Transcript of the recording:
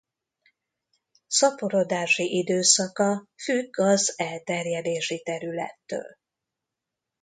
Szaporodási időszaka függ az elterjedési területtől.